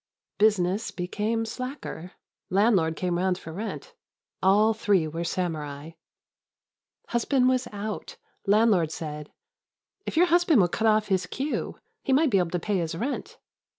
Business became slacker. Landlord came round for rent. All three were samurai. Husband was out. Landlord said, "If your husband would cut off his queue, he might be able to pay his rent!"